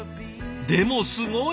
でもすごい！